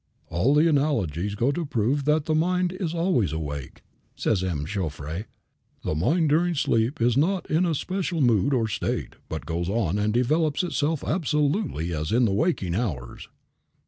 "All the analogies go to prove that the mind is always awake," says M. Jouffroy. "The mind during sleep is not in a special mood or state, but it goes on and develops itself absolutely as in the waking hours."